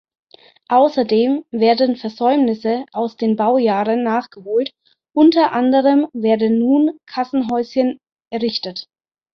Außerdem werden Versäumnisse aus den Baujahren nachgeholt, unter anderem werden nun Kassenhäuschen errichtet.